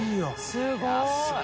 すごい！